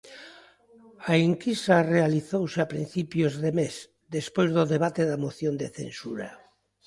A enquisa realizouse a principios de mes, despois do debate da moción de censura.